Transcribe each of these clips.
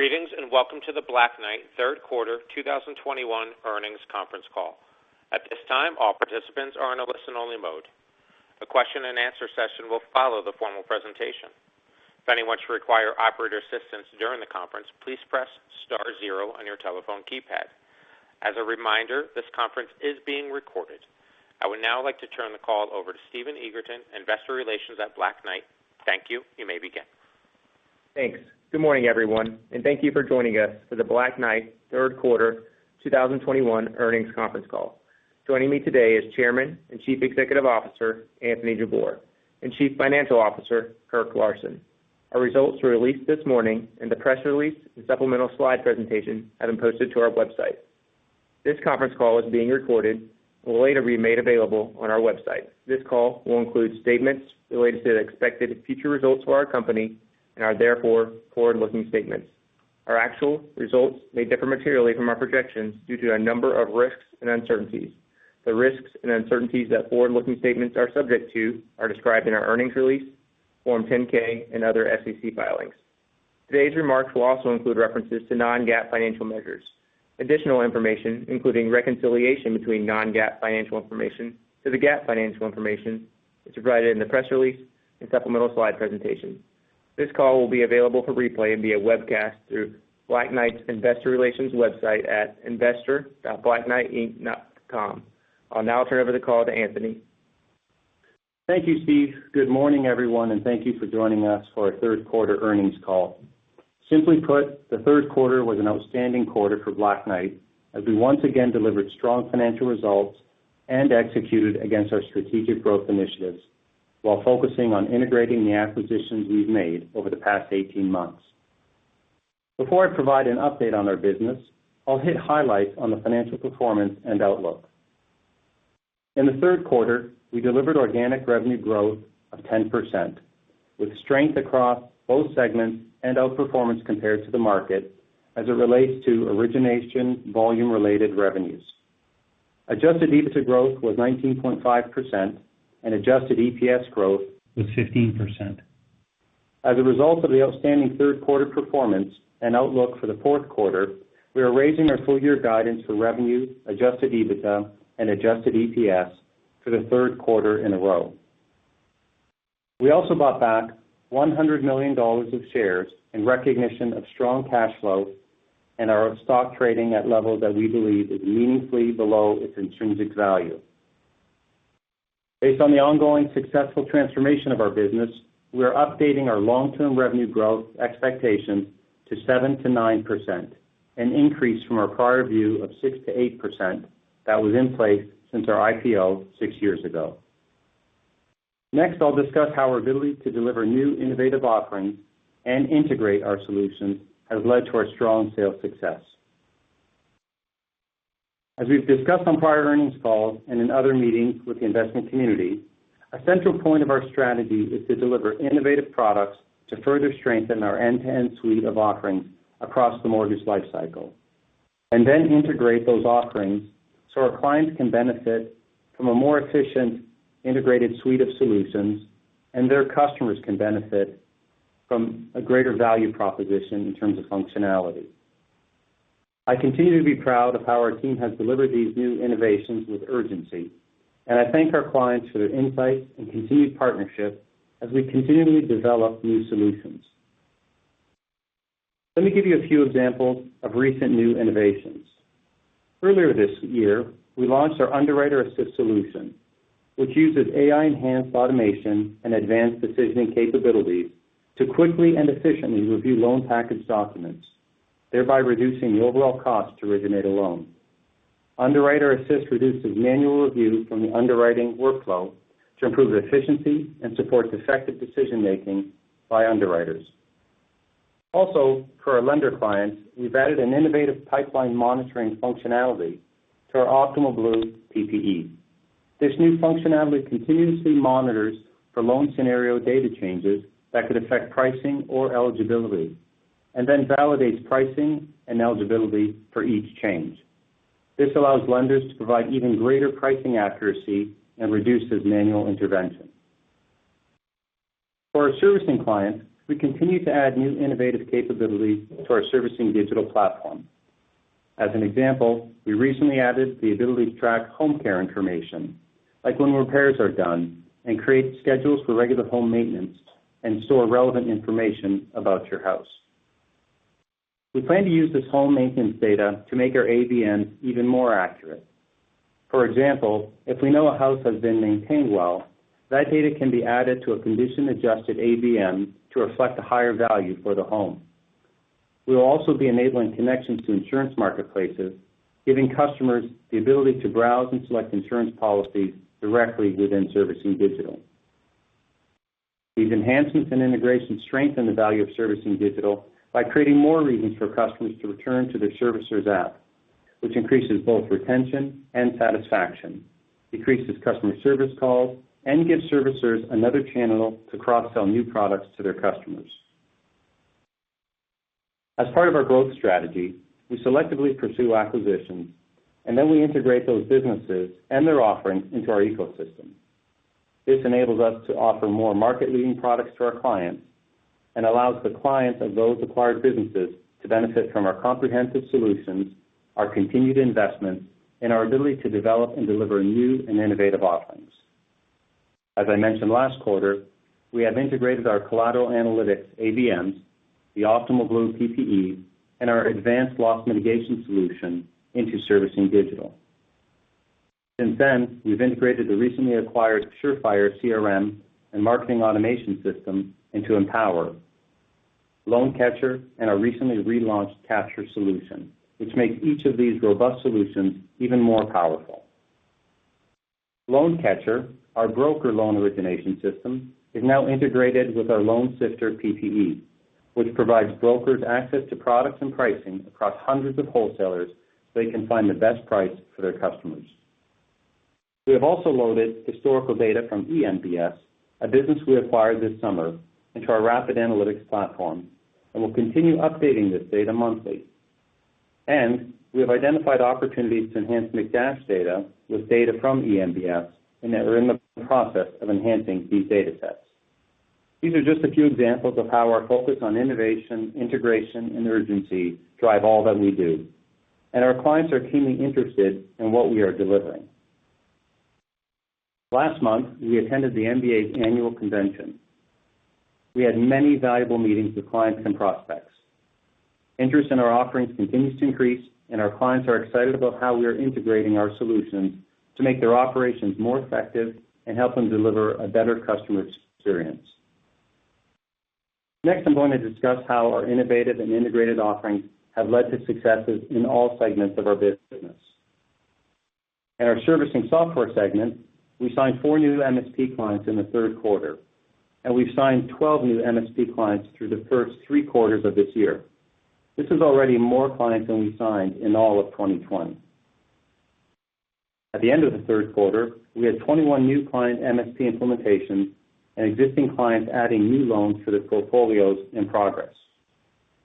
Greetings, and welcome to the Black Knight third quarter 2021 earnings conference call. At this time, all participants are in a listen-only mode. A question-and-answer session will follow the formal presentation. If anyone should require operator assistance during the conference, please press star zero on your telephone keypad. As a reminder, this conference is being recorded. I would now like to turn the call over to Steve Eagerton, investor relations at Black Knight. Thank you. You may begin. Thanks. Good morning, everyone, and thank you for joining us for the Black Knight third quarter 2021 earnings conference call. Joining me today is Chairman and Chief Executive Officer, Anthony Jabbour, and Chief Financial Officer, Kirk Larsen. Our results were released this morning, and the press release and supplemental slide presentation have been posted to our website. This conference call is being recorded and will later be made available on our website. This call will include statements related to the expected future results for our company and are therefore Forward-Looking statements. Our actual results may differ materially from our projections due to a number of risks and uncertainties. The risks and uncertainties that Forward-Looking statements are subject to are described in our earnings release, Form 10-K, and other SEC filings. Today's remarks will also include references to Non-GAAP financial measures. Additional information, including reconciliation between Non-GAAP financial information to the GAAP financial information, is provided in the press release and supplemental slide presentation. This call will be available for replay via webcast through Black Knight's investor relations website at investor.blackknightinc.com. I'll now turn over the call to Anthony. Thank you, Steve. Good morning, everyone, and thank you for joining us for our third quarter earnings call. Simply put, the third quarter was an outstanding 1/4 for Black Knight as we once again delivered strong financial results and executed against our strategic growth initiatives while focusing on integrating the acquisitions we've made over the past 18 months. Before I provide an update on our business, I'll hit highlights on the financial performance and outlook. In the third quarter, we delivered organic revenue growth of 10%, with strength across both segments and outperformance compared to the market as it relates to origination volume-related revenues. Adjusted EBITDA growth was 19.5% and adjusted EPS growth was 15%. As a result of the outstanding third quarter performance and outlook for the 4th 1/4, we are raising our full-year guidance for revenue, adjusted EBITDA, and adjusted EPS for the third quarter in a row. We also bought back $100 million of shares in recognition of strong cash flow and our stock trading at levels that we believe is meaningfully below its intrinsic value. Based on the ongoing successful transformation of our business, we are updating our long-term revenue growth expectations to 7%-9%, an increase from our prior view of 6%-8% that was in place since our IPO 6 years ago. Next, I'll discuss how our ability to deliver new innovative offerings and integrate our solutions has led to our strong sales success. As we've discussed on prior earnings calls and in other meetings with the investment community, a central point of our strategy is to deliver innovative products to further strengthen our end-to-end suite of offerings across the mortgage life cycle and then integrate those offerings so our clients can benefit from a more efficient, integrated suite of solutions, and their customers can benefit from a greater value proposition in terms of functionality. I continue to be proud of how our team has delivered these new innovations with urgency, and I thank our clients for their insights and continued partnership as we continually develop new solutions. Let me give you a few examples of recent new innovations. Earlier this year, we launched our Underwriter Assist solution, which uses AI-enhanced automation and advanced decisioning capabilities to quickly and efficiently review loan package documents, thereby reducing the overall cost to originate a loan. Underwriter Assist reduces manual review from the underwriting workflow to improve efficiency and supports effective decision-making by underwriters. Also, for our lender clients, we've added an innovative pipeline monitoring functionality to our Optimal Blue PPE. This new functionality continuously monitors for loan scenario data changes that could affect pricing or eligibility, and then validates pricing and eligibility for each change. This allows lenders to provide even greater pricing accuracy and reduces manual intervention. For our servicing clients, we continue to add new innovative capabilities to our Servicing Digital platform. As an example, we recently added the ability to track home care information, like when repairs are done, and create schedules for regular home maintenance and store relevant information about your house. We plan to use this home maintenance data to make our AVM even more accurate. For example, if we know a house has been maintained well, that data can be added to a condition-adjusted AVM to reflect a higher value for the home. We will also be enabling connections to insurance marketplaces, giving customers the ability to browse and select insurance policies directly within Servicing Digital. These enhancements and integrations strengthen the value of Servicing Digital by creating more reasons for customers to return to their servicer's app, which increases both retention and satisfaction, decreases customer service calls, and gives servicers another channel to cross-sell new products to their customers. As part of our growth strategy, we selectively pursue acquisitions, and then we integrate those businesses and their offerings into our ecosystem. This enables us to offer more market-leading products to our clients and allows the clients of those acquired businesses to benefit from our comprehensive solutions, our continued investments, and our ability to develop and deliver new and innovative offerings. As I mentioned last 1/4, we have integrated our Collateral Analytics AVMs, the Optimal Blue PPE, and our advanced loss mitigation solution into Servicing Digital. Since then, we've integrated the recently acquired Surefire CRM and marketing automation system into Empower, LoanCatcher, and our recently relaunched Capture solution, which makes each of these robust solutions even more powerful. LoanCatcher, our broker loan origination system, is now integrated with our Loansifter PPE, which provides brokers access to products and pricing across hundreds of wholesalers so they can find the best price for their customers. We have also loaded historical data from eMBS, a business we acquired this summer, into our Rapid Analytics Platform, and we'll continue updating this data monthly. We have identified opportunities to enhance McDash data with data from eMBS, and that we're in the process of enhancing these datasets. These are just a few examples of how our focus on innovation, integration, and urgency drive all that we do, and our clients are keenly interested in what we are delivering. Last month, we attended the MBA's annual convention. We had many valuable meetings with clients and prospects. Interest in our offerings continues to increase, and our clients are excited about how we are integrating our solutions to make their operations more effective and help them deliver a better customer experience. Next, I'm going to discuss how our innovative and integrated offerings have led to successes in all segments of our business. In our servicing software segment, we signed 4 new MSP clients in the third quarter, and we've signed 12 new MSP clients through the first 3 quarters of this year. This is already more clients than we signed in all of 2020. At the end of the third quarter, we had 21 new client MSP implementations and existing clients adding new loans to their portfolios in progress,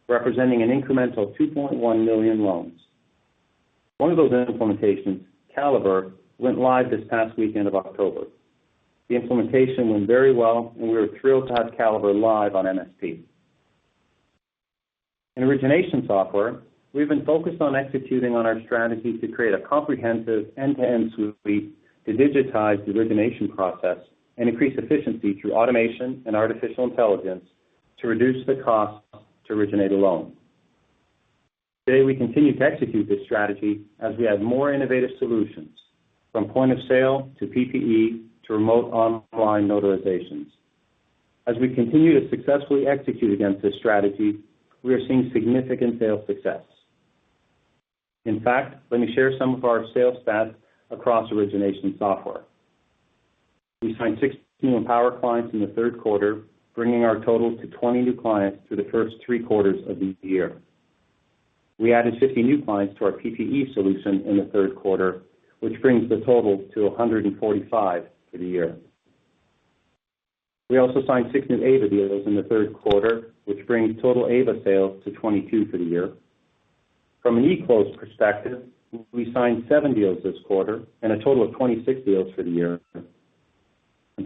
representing an incremental 2.1 million loans. One of those implementations, Caliber, went live this past weekend of October. The implementation went very well, and we are thrilled to have Caliber live on MSP. In origination software, we've been focused on executing on our strategy to create a comprehensive end-to-end suite to digitize the origination process and increase efficiency through automation and artificial intelligence to reduce the cost to originate a loan. Today, we continue to execute this strategy as we add more innovative solutions from point of sale to PPE to remote online notarizations. As we continue to successfully execute against this strategy, we are seeing significant sales success. In fact, let me share some of our sales stats across origination software. We signed 16 Empower clients in the third quarter, bringing our totals to 20 new clients through the first 3 quartes of the year. We added 50 new clients to our PPE solution in the third quarter, which brings the total to 145 for the year. We also signed 6 new AIVA deals in the third quarter, which brings total AIVA sales to 22 for the year. From an eClose perspective, we signed 7 deals this 1/4 and a total of 26 deals for the year.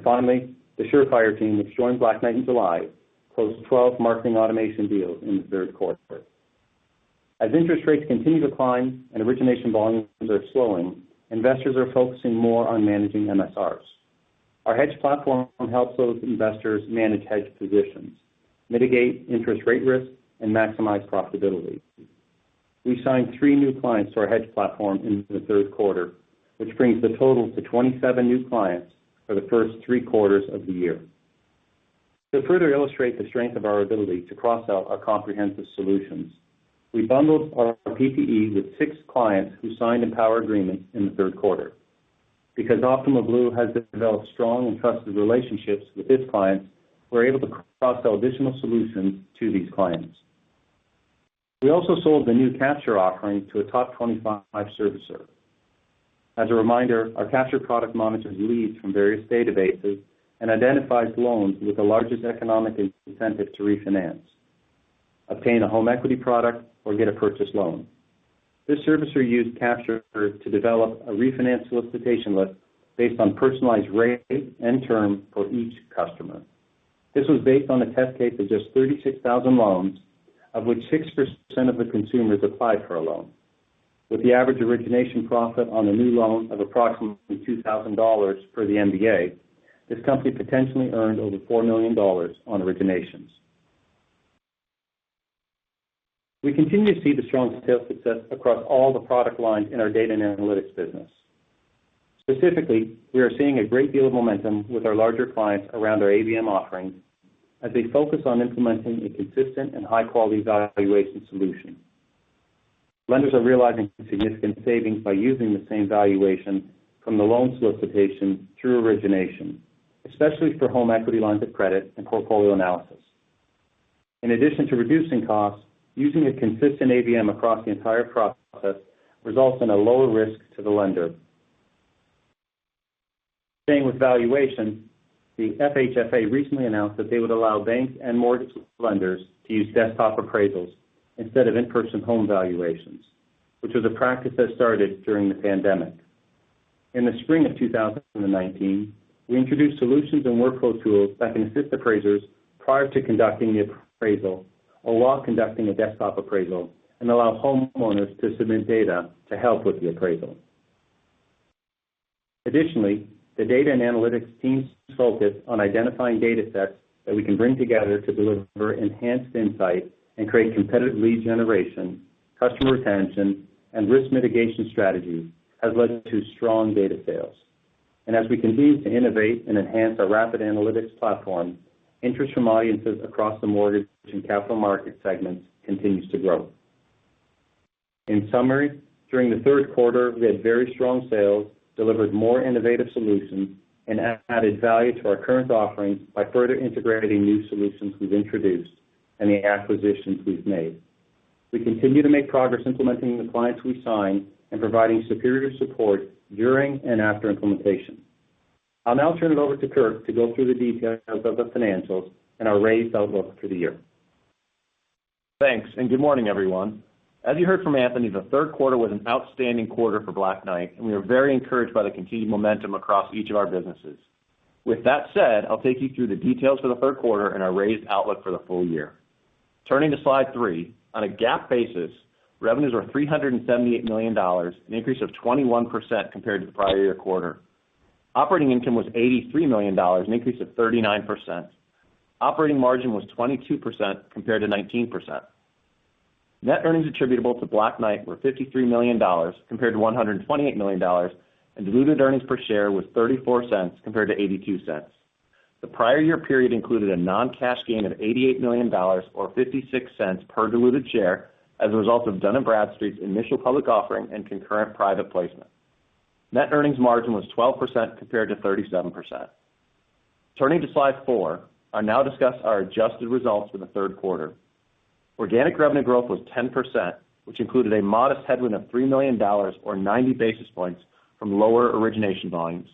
Finally, the Surefire team, which joined Black Knight in July, closed 12 marketing automation deals in the third quarter. As interest rates continue to climb and origination volumes are slowing, investors are focusing more on managing MSRs. Our hedge platform helps those investors manage hedge positions, mitigate interest rate risks, and maximize profitability. We signed 3 new clients to our hedge platform in the third quarter, which brings the total to 27 new clients for the first 3 quartes of the year. To further illustrate the strength of our ability to cross-sell our comprehensive solutions, we bundled our PPE with 6 clients who signed Empower agreements in the third quarter. Because Optimal Blue has developed strong and trusted relationships with its clients, we're able to cross-sell additional solutions to these clients. We also sold the new Capture offering to a top 25 servicer. As a reminder, our Capture product monitors leads from various databases and identifies loans with the largest economic incentive to refinance, obtain a home equity product, or get a purchase loan. This servicer used Capture to develop a refinance solicitation list based on personalized rate and term for each customer. This was based on a test case of just 36,000 loans, of which 6% of the consumers applied for a loan. With the average origination profit on a new loan of approximately $2,000 for the MBA, this company potentially earned over $4 million on originations. We continue to see the strong sales success across all the product lines in our data and analytics business. Specifically, we are seeing a great deal of momentum with our larger clients around our AVM offerings as they focus on implementing a consistent and high-quality valuation solution. Lenders are realizing significant savings by using the same valuation from the loan solicitation through origination, especially for home equity lines of credit and portfolio analysis. In addition to reducing costs, using a consistent AVM across the entire process results in a lower risk to the lender. Staying with valuation, the FHFA recently announced that they would allow banks and mortgage lenders to use desktop appraisals instead of in-person home valuations. Which was a practice that started during the pandemic. In the spring of 2019, we introduced solutions and workflow tools that can assist appraisers prior to conducting the appraisal or while conducting a desktop appraisal, and allow homeowners to submit data to help with the appraisal. Additionally, the data and analytics teams focused on identifying datasets that we can bring together to deliver enhanced insight and create competitive lead generation, customer retention, and risk mitigation strategies has led to strong data sales. As we continue to innovate and enhance our Rapid Analytics Platform, interest from audiences across the mortgage and capital market segments continues to grow. In summary, during the third quarter, we had very strong sales, delivered more innovative solutions, and added value to our current offerings by further integrating new solutions we've introduced and the acquisitions we've made. We continue to make progress implementing the clients we sign and providing superior support during and after implementation. I'll now turn it over to Kirk to go through the details of the financials and our raised outlook for the year. Thanks, and good morning, everyone. As you heard from Anthony, the third quarter was an outstanding 1/4 for Black Knight, and we are very encouraged by the continued momentum across each of our businesses. With that said, I'll take you through the details for the third quarter and our raised outlook for the full year. Turning to slide 3. On a GAAP basis, revenues are $378 million, an increase of 21% compared to the prior year 1/4. Operating income was $83 million, an increase of 39%. Operating margin was 22% compared to 19%. Net earnings attributable to Black Knight were $53 million compared to $128 million, and diluted earnings per share was $0.34 compared to $0.82. The prior year period included a Non-cash gain of $88 million or $0.56 per diluted share as a result of Dun & Bradstreet's initial public offering and concurrent private placement. Net earnings margin was 12% compared to 37%. Turning to slide 4. I'll now discuss our adjusted results for the third quarter. Organic revenue growth was 10%, which included a modest headwind of $3 million or 90 basis points from lower origination volumes.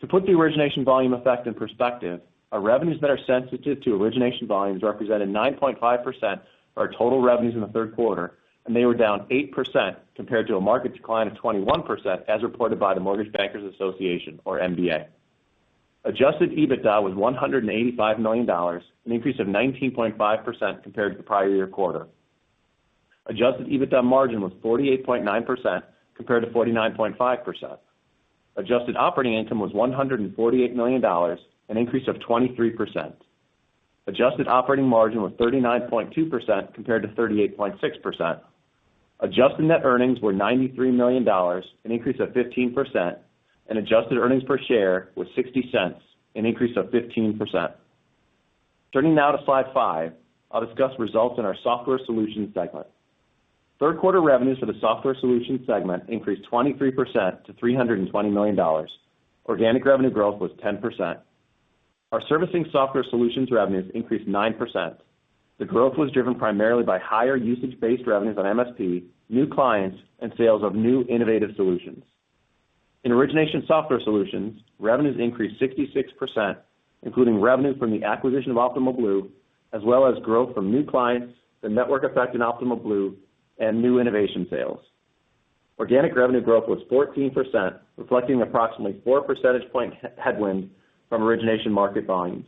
To put the origination volume effect in perspective, our revenues that are sensitive to origination volumes represented 9.5% of our total revenues in the third quarter, and they were down 8% compared to a market decline of 21% as reported by the Mortgage Bankers Association or MBA. Adjusted EBITDA was $185 million, an increase of 19.5% compared to the prior year 1/4. Adjusted EBITDA margin was 48.9% compared to 49.5%. Adjusted operating income was $148 million, an increase of 23%. Adjusted operating margin was 39.2% compared to 38.6%. Adjusted net earnings were $93 million, an increase of 15%, and adjusted earnings per share was $0.60, an increase of 15%. Turning now to slide 5. I'll discuss results in our Software Solutions segment. Third 1/4 revenues for the Software Solutions segment increased 23% to $320 million. Organic revenue growth was 10%. Our servicing software solutions revenues increased 9%. The growth was driven primarily by higher usage-based revenues on MSP, new clients and sales of new innovative solutions. In origination software solutions, revenues increased 66%, including revenue from the acquisition of Optimal Blue, as well as growth from new clients, the network effect in Optimal Blue, and new innovation sales. Organic revenue growth was 14%, reflecting approximately 4 percentage point headwind from origination market volumes.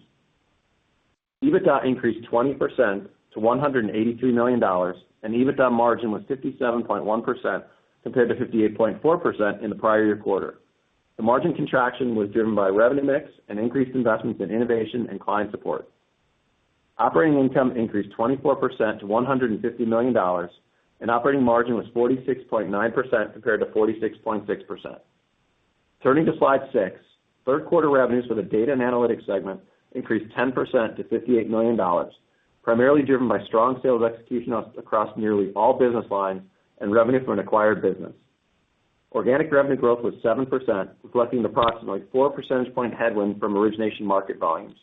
EBITDA increased 20% to $183 million, and EBITDA margin was 57.1% compared to 58.4% in the prior year 1/4. The margin contraction was driven by revenue mix and increased investments in innovation and client support. Operating income increased 24% to $150 million, and operating margin was 46.9% compared to 46.6%. Turning to slide 6. Third 1/4 revenues for the data and analytics segment increased 10% to $58 million, primarily driven by strong sales execution across nearly all business lines and revenue from an acquired business. Organic revenue growth was 7%, reflecting approximately 4 percentage point headwind from origination market volumes.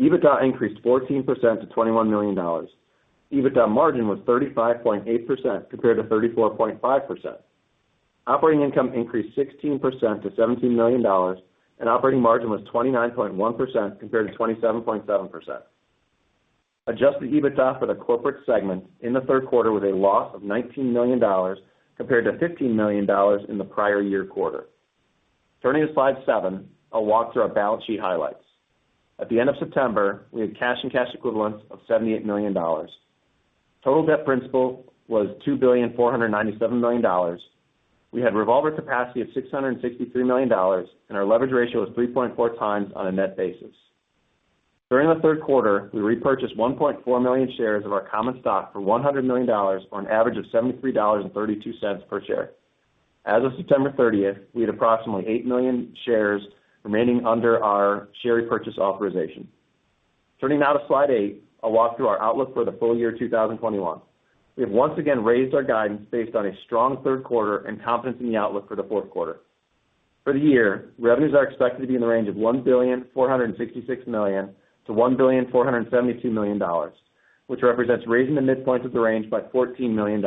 EBITDA increased 14% to $21 million. EBITDA margin was 35.8% compared to 34.5%. Operating income increased 16% to $17 million, and operating margin was 29.1% compared to 27.7%. Adjusted EBITDA for the corporate segment in the third quarter was a loss of $19 million compared to $15 million in the prior year 1/4. Turning to slide 7. I'll walk through our balance sheet highlights. At the end of September, we had cash and cash equivalents of $78 million. Total debt principal was $2.497 billion. We had revolver capacity of $663 million, and our leverage ratio was 3.4 times on a net basis. During the third quarter, we repurchased 1.4 million shares of our common stock for $100 million on average of $73.32 per share. As of September 30, we had approximately 8 million shares remaining under our share repurchase authorization. Turning now to slide 8. I'll walk through our outlook for the full year 2021. We have once again raised our guidance based on a strong third quarter and confidence in the outlook for the 4th 1/4. For the year, revenues are expected to be in the range of $1.466 billion-$1.472 billion, which represents raising the midpoint of the range by $14 million.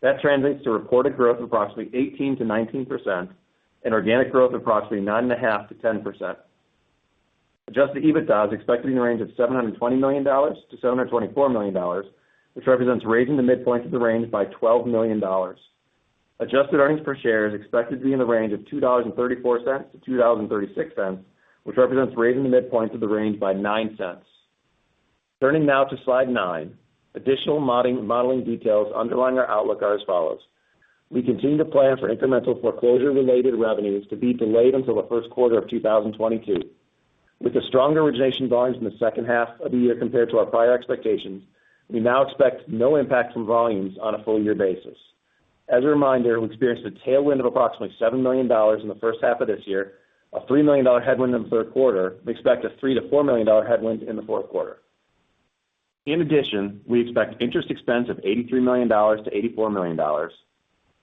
That translates to reported growth of approximately 18%-19% and organic growth approximately 9.5%-10%. Adjusted EBITDA is expected in the range of $720 million-$724 million, which represents raising the midpoint of the range by $12 million. Adjusted earnings per share is expected to be in the range of $2.34-$2.36, which represents raising the midpoint of the range by 9 cents. Turning now to slide 9. Additional modeling details underlying our outlook are as follows. We continue to plan for incremental foreclosure-related revenues to be delayed until the first 1/4 of 2022. With the strong origination volumes in the second 1/2 of the year compared to our prior expectations, we now expect no impact from volumes on a full year basis. As a reminder, we experienced a tailwind of approximately $7 million in the first 1/2 of this year, a $3 million headwind in the third quarter, and expect a $3-$4 million headwind in the 4th 1/4. In addition, we expect interest expense of $83 million-$84 million,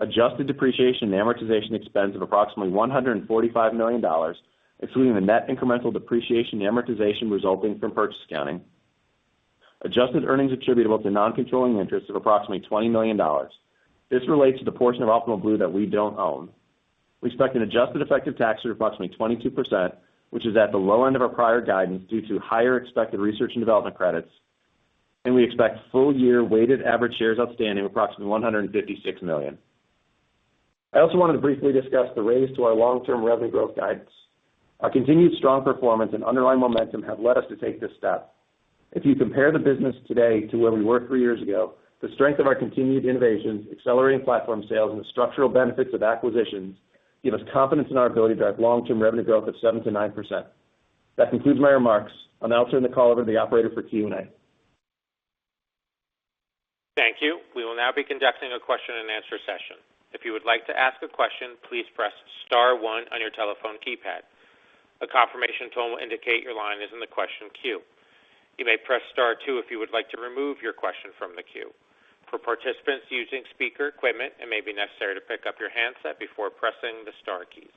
adjusted depreciation and amortization expense of approximately $145 million, excluding the net incremental depreciation and amortization resulting from purchase accounting, adjusted earnings attributable to Non-controlling interests of approximately $20 million. This relates to the portion of Optimal Blue that we don't own. We expect an adjusted effective tax rate of approximately 22%, which is at the low end of our prior guidance due to higher expected research and development credits. We expect full year weighted average shares outstanding of approximately 156 million. I also wanted to briefly discuss the raise to our long-term revenue growth guidance. Our continued strong performance and underlying momentum have led us to take this step. If you compare the business today to where we were 3 years ago, the strength of our continued innovations, accelerating platform sales, and the structural benefits of acquisitions give us confidence in our ability to drive long-term revenue growth of 7%-9%. That concludes my remarks. I'll now turn the call over to the operator for Q&A. Thank you. We will now be conducting a question-and-answer session. If you would like to ask a question, please press star one on your telephone keypad. A confirmation tone will indicate your line is in the question queue. You may press star 2 if you would like to remove your question from the queue. For participants using speaker equipment, it may be necessary to pick up your handset before pressing the star keys.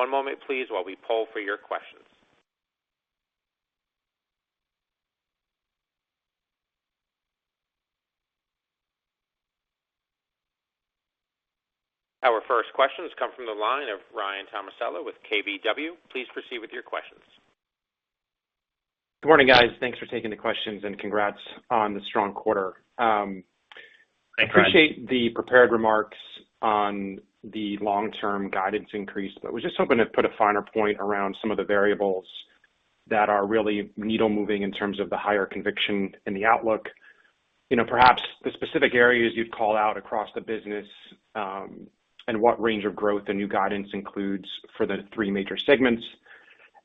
One moment please while we poll for your questions. Our first question has come from the line of Ryan Tomasello with Keefe, Bruyette & Woods. Please proceed with your questions. Good morning, guys. Thanks for taking the questions and congrats on the strong 1/4. Thanks, Ryan. appreciate the prepared remarks on the long-term guidance increase, but was just hoping to put a finer point around some of the variables that are really needle moving in terms of the higher conviction in the outlook. You know, perhaps the specific areas you'd call out across the business, and what range of growth the new guidance includes for the 3 major segments.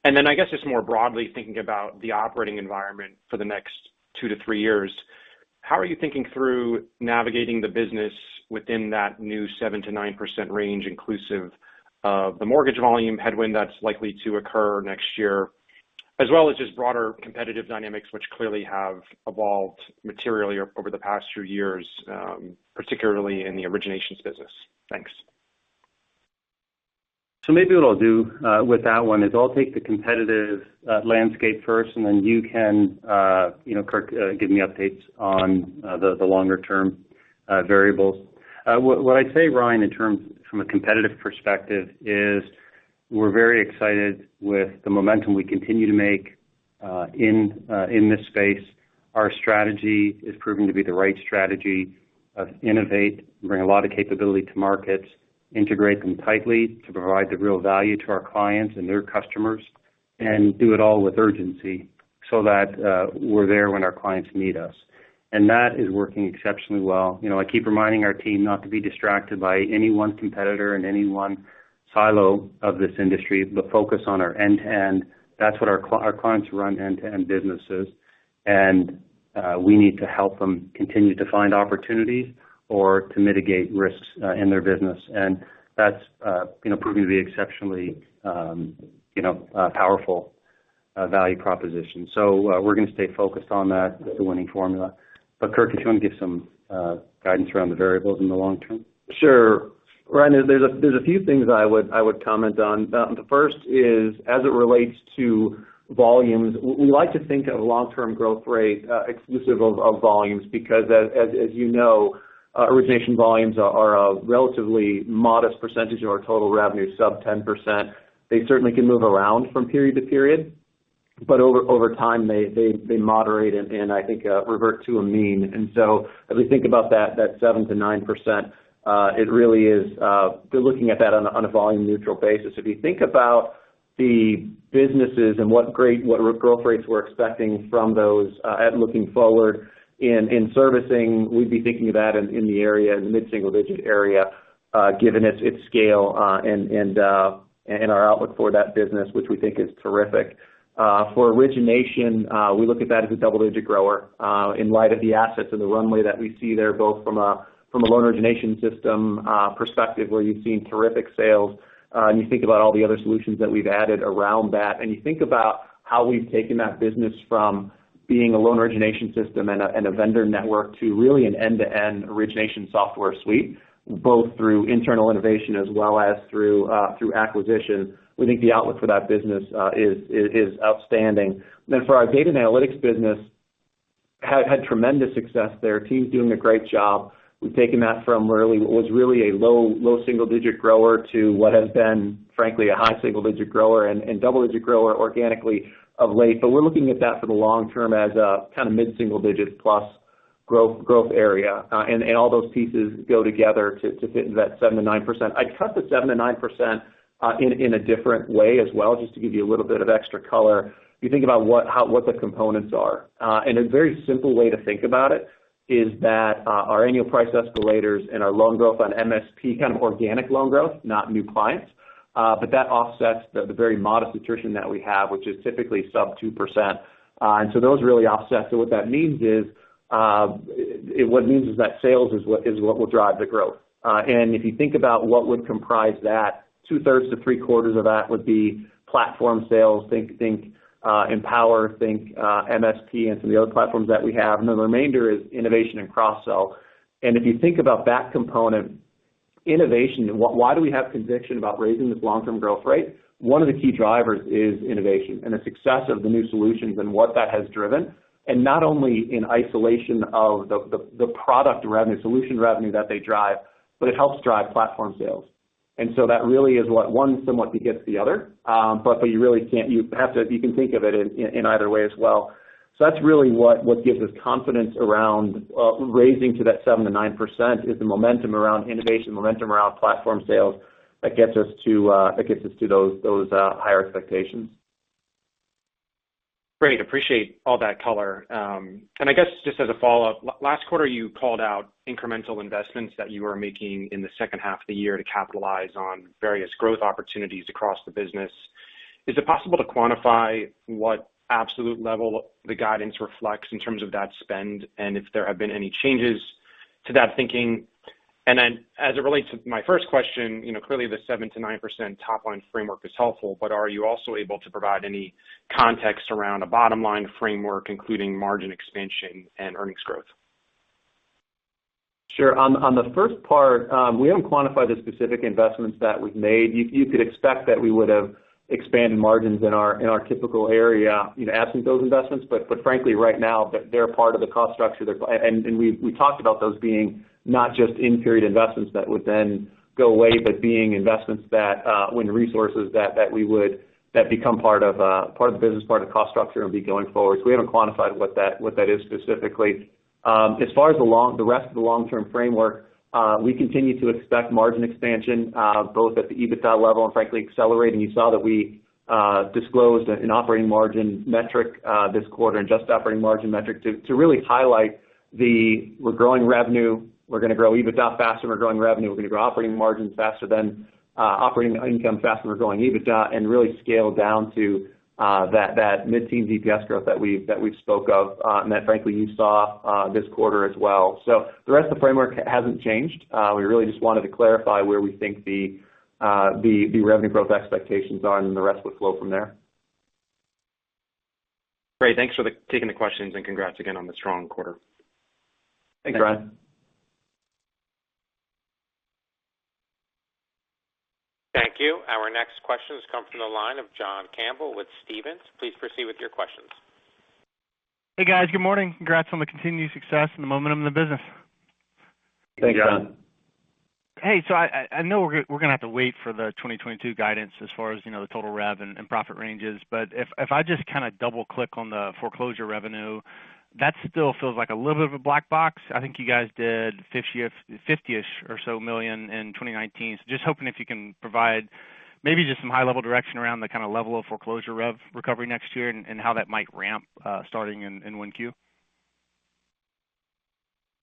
Then I guess just more broadly thinking about the operating environment for the next 2 to 3 years. How are you thinking through navigating the business within that new 7%-9% range inclusive of the mortgage volume headwind that's likely to occur next year, as well as just broader competitive dynamics which clearly have evolved materially over the past few years, particularly in the originations business? Thanks. Maybe what I'll do with that one is I'll take the competitive landscape first, and then you can, you know, Kirk, give me updates on the longer term variables. What I'd say, Ryan, in terms from a competitive perspective is we're very excited with the momentum we continue to make in this space. Our strategy is proving to be the right strategy of innovate and bring a lot of capability to markets, integrate them tightly to provide the real value to our clients and their customers, and do it all with urgency so that we're there when our clients need us. That is working exceptionally well. You know, I keep reminding our team not to be distracted by any one competitor and any one silo of this industry, but focus on our end-to-end. That's what our clients run end-to-end businesses. We need to help them continue to find opportunities or to mitigate risks in their business. That's you know proving to be exceptionally you know powerful value proposition. We're gonna stay focused on that. It's a winning formula. Kirk, if you want to give some guidance around the variables in the long term. Sure. Ryan, there's a few things I would comment on. The first is, as it relates to volumes, we like to think of long-term growth rate exclusive of volumes, because as you know, origination volumes are a relatively modest percentage of our total revenue, sub-10%. They certainly can move around from period to period, but over time, they moderate and I think revert to a mean. As we think about that 7%-9%, it really is we're looking at that on a volume neutral basis. If you think about the businesses and what growth rates we're expecting from those, looking forward in servicing, we'd be thinking of that in the area in the mid-single digit area, given its scale and our outlook for that business, which we think is terrific. For origination, we look at that as a double-digit grower in light of the assets and the runway that we see there, both from a loan origination system perspective, where you've seen terrific sales. You think about all the other solutions that we've added around that, and you think about how we've taken that business from being a loan origination system and a vendor network to really an end-to-end origination software suite, both through internal innovation as well as through acquisition. We think the outlook for that business is outstanding. For our data and analytics business had tremendous success there. Team's doing a great job. We've taken that from really what was really a low single digit grower to what has been, frankly, a high single digit grower and double digit grower organically of late. We're looking at that for the long term as a kind of mid-single digit plus growth area. And all those pieces go together to fit into that 7%-9%. I'd trust the 7%-9% in a different way as well, just to give you a little bit of extra color. You think about what the components are. A very simple way to think about it is that our annual price escalators and our loan growth on MSP, kind of organic loan growth, not new clients, but that offsets the very modest attrition that we have, which is typically sub 2%. And so those really offset. What that means is that sales is what will drive the growth. And if you think about what would comprise that, 2-1/3s to 3-quartes of that would be platform sales. Think Empower, think MSP and some of the other platforms that we have. And then the remainder is innovation and cross-sell. And if you think about that component, innovation, why do we have conviction about raising this long-term growth rate? One of the key drivers is innovation and the success of the new solutions and what that has driven, and not only in isolation of the product revenue, solution revenue that they drive, but it helps drive platform sales. That really is what one somewhat begets the other. But you really can't. You can think of it in either way as well. That's really what gives us confidence around raising to that 7%-9%, is the momentum around innovation, momentum around platform sales that gets us to those higher expectations. Great. Appreciate all that color. I guess just as a Follow-Up, last 1/4, you called out incremental investments that you were making in the second 1/2 of the year to capitalize on various growth opportunities across the business. Is it possible to quantify what absolute level the guidance reflects in terms of that spend, and if there have been any changes to that thinking? As it relates to my first question, you know, clearly the 7%-9% top line framework is helpful, but are you also able to provide any context around a bottom line framework, including margin expansion and earnings growth? Sure. On the first part, we haven't quantified the specific investments that we've made. You could expect that we would have expanded margins in our typical area in the absence of those investments. Frankly, right now, they're part of the cost structure. They're. We talked about those being not just in-period investments that would then go away, but being investments in resources that become part of the business, part of the cost structure going forward. We haven't quantified what that is specifically. As far as the rest of the long-term framework, we continue to expect margin expansion both at the EBITDA level and frankly, accelerating. You saw that we disclosed an operating margin metric this 1/4, an adjusted operating margin metric to really highlight the. We're growing revenue. We're gonna grow EBITDA faster. We're growing revenue. We're gonna grow operating margins faster than operating income faster. We're growing EBITDA and really scale down to that mid-teen EPS growth that we've spoke of, and that frankly you saw this 1/4 as well. The rest of the framework hasn't changed. We really just wanted to clarify where we think the revenue growth expectations are and the rest would flow from there. Great. Thanks for taking the questions and congrats again on the strong 1/4. Thanks, Ryan Tomasello. Thank you. Our next question comes from the line of John Campbell with Stephens. Please proceed with your questions. Hey, guys. Good morning. Congrats on the continued success and the momentum of the business. Thanks, John. Hey, I know we're gonna have to wait for the 2022 guidance as far as, you know, the total rev and profit ranges. But if I just kinda double-click on the foreclosure revenue, that still feels like a little bit of a black box. I think you guys did $50 or 50-ish or so million in 2019. Just hoping if you can provide maybe just some high-level direction around the kinda level of foreclosure rev recovery next year and how that might ramp, starting in 1Q.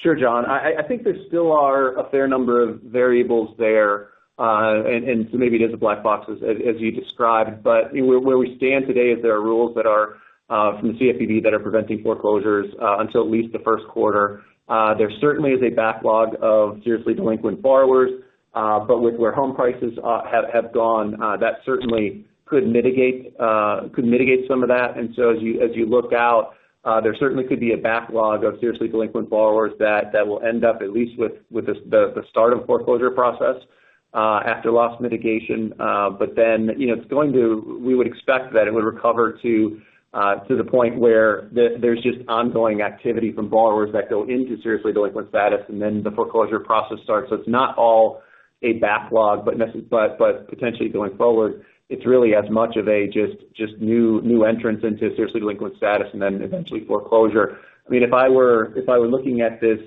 Sure, John. I think there still are a fair number of variables there, and so maybe it is a black box as you described. Where we stand today is there are rules that are from the CFPB that are preventing foreclosures until at least the first 1/4. There certainly is a backlog of seriously delinquent borrowers, but with where home prices have gone, that certainly could mitigate some of that. As you look out, there certainly could be a backlog of seriously delinquent borrowers that will end up at least with the start of foreclosure process after loss mitigation. You know, we would expect that it would recover to the point where there's just ongoing activity from borrowers that go into seriously delinquent status, and then the foreclosure process starts. It's not all a backlog, but potentially going forward, it's really as much of a just new entrants into seriously delinquent status and then eventually foreclosure. I mean, if I were looking at this,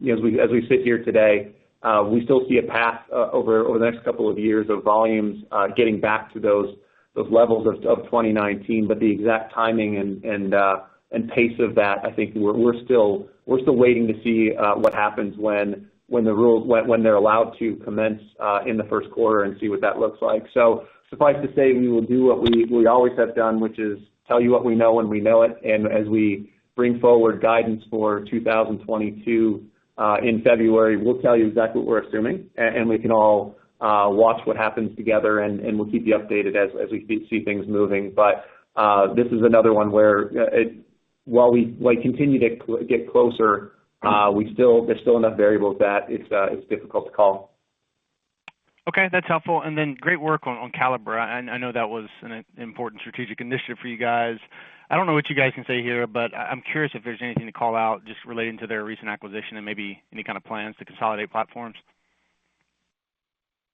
you know, as we sit here today, we still see a path over the next couple of years of volumes getting back to those levels of 2019. The exact timing and pace of that, I think we're still waiting to see what happens when they're allowed to commence in the first 1/4 and see what that looks like. Suffice to say, we will do what we always have done, which is tell you what we know when we know it. As we bring forward guidance for 2022 in February, we'll tell you exactly what we're assuming. We can all watch what happens together, and we'll keep you updated as we see things moving. This is another one where while we like continue to get closer, there's still enough variables that it's difficult to call. Okay, that's helpful. Great work on Caliber. I know that was an important strategic initiative for you guys. I don't know what you guys can say here, but I'm curious if there's anything to call out just relating to their recent acquisition and maybe any kind of plans to consolidate platforms.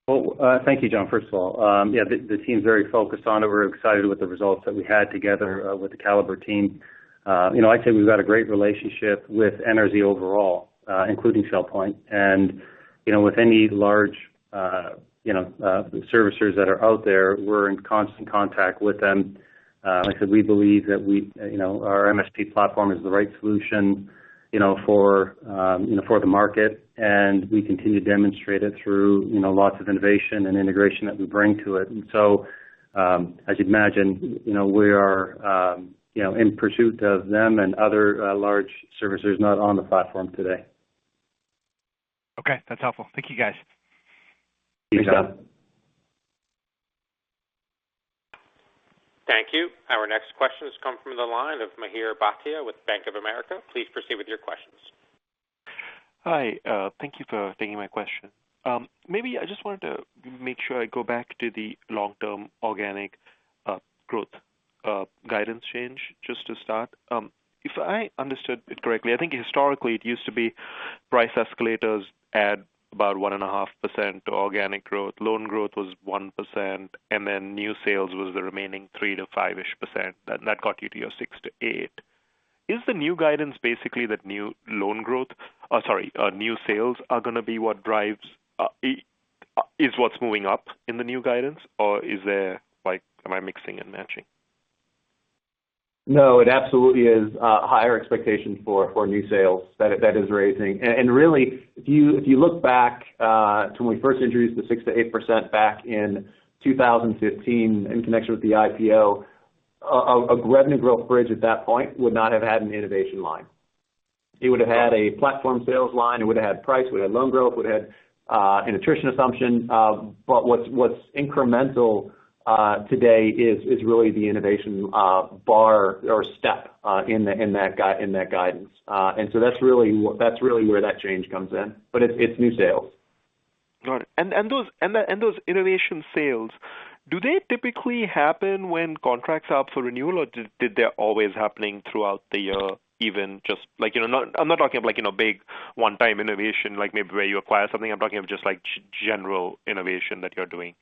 Well, thank you, John. First of all, the team's very focused on it. We're excited with the results that we had together with the Caliber team. You know, I'd say we've got a great relationship with NRZ overall, including Shellpoint. You know, with any large servicers that are out there, we're in constant contact with them. Like I said, we believe that our MSP platform is the right solution, you know, for the market, and we continue to demonstrate it through, you know, lots of innovation and integration that we bring to it. As you'd imagine, you know, we are in pursuit of them and other large servicers not on the platform today. Okay. That's helpful. Thank you, guys. Thanks, John. Thank you. Our next question has come from the line of Mihir Bhatia with Bank of America. Please proceed with your questions. Hi, thank you for taking my question. Maybe I just wanted to make sure I go back to the long-term organic growth guidance change just to start. If I understood it correctly, I think historically it used to be price escalators at about 1.5% organic growth. Loan growth was 1%, and then new sales was the remaining 3%-5%-ish. That got you to your 6%-8%. Is the new guidance basically that new sales are gonna be what drives is what's moving up in the new guidance? Or is there like, am I mixing and matching? No, it absolutely is higher expectation for new sales that is raising. Really, if you look back to when we first introduced the 6%-8% back in 2015 in connection with the IPO, a revenue growth bridge at that point would not have had an innovation line. It would have had a platform sales line, it would have had price, it would have had loan growth, it would have had an attrition assumption. What's incremental today is really the innovation bar or step in that guidance. That's really where that change comes in. It's new sales. Got it. Those innovation sales, do they typically happen when contracts are up for renewal, or did they always happening throughout the year, even just like, you know, I'm not talking about like, you know, big one-time innovation, like maybe where you acquire something. I'm talking of just like general innovation that you're doing.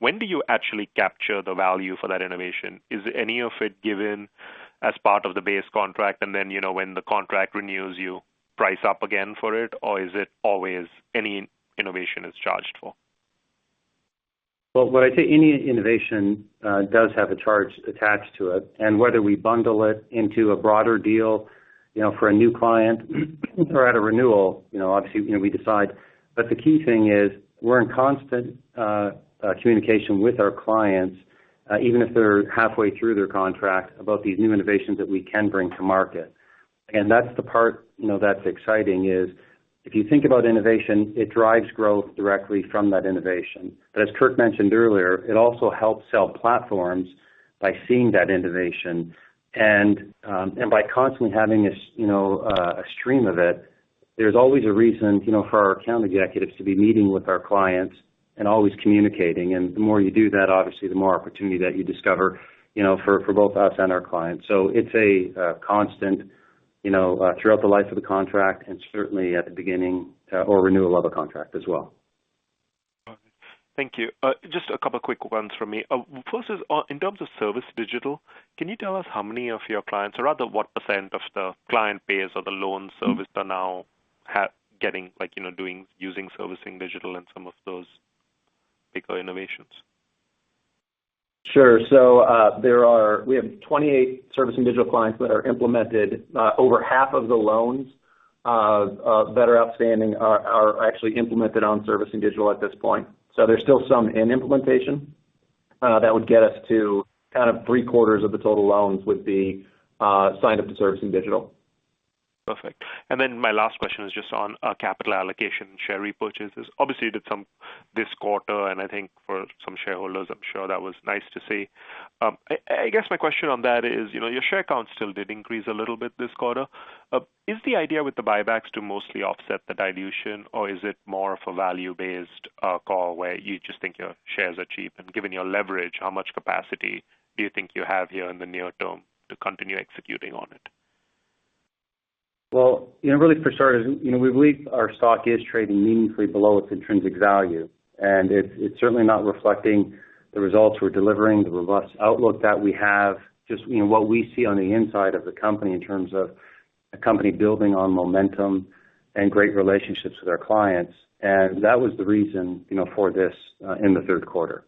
When do you actually capture the value for that innovation? Is any of it given as part of the base contract, and then, you know, when the contract renews, you price up again for it? Is it always any innovation is charged for? Well, what I'd say any innovation does have a charge attached to it. Whether we bundle it into a broader deal, you know, for a new client or at a renewal, you know, obviously, you know, we decide. The key thing is we're in constant communication with our clients, even if they're 1/2way through their contract about these new innovations that we can bring to market. That's the part, you know, that's exciting, is if you think about innovation, it drives growth directly from that innovation. As Kirk mentioned earlier, it also helps sell platforms by selling that innovation. By constantly having a, you know, a stream of it, there's always a reason, you know, for our account executives to be meeting with our clients and always communicating. The more you do that, obviously the more opportunity that you discover, you know, for both us and our clients. It's a constant, you know, throughout the life of the contract and certainly at the beginning or renewal of a contract as well. All right. Thank you. Just a couple quick ones from me. First is, in terms of Servicing Digital, can you tell us how many of your clients or rather what percent of the client base or the loan servicing are now getting like, you know, using Servicing Digital and some of those bigger innovations? Sure. We have 28 Servicing Digital clients that are implemented. Over 1/2 of the loans that are outstanding are actually implemented on Servicing Digital at this point. There's still some in implementation that would get us to kind of 3-quartes of the total loans would be signed up to Servicing Digital. Perfect. My last question is just on capital allocation share repurchases. Obviously, you did some this 1/4, and I think for some shareholders, I'm sure that was nice to see. I guess my question on that is, you know, your share count still did increase a little bit this 1/4. Is the idea with the buybacks to mostly offset the dilution, or is it more of a value-based call where you just think your shares are cheap? And given your leverage, how much capacity do you think you have here in the near term to continue executing on it? Well, you know, really for starters, you know, we believe our stock is trading meaningfully below its intrinsic value. It's certainly not reflecting the results we're delivering, the robust outlook that we have, just, you know, what we see on the inside of the company in terms of a company building on momentum and great relationships with our clients. That was the reason, you know, for this in the third quarter.